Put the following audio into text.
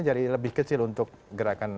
jadi lebih kecil untuk gerakan